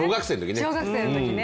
小学生のときね。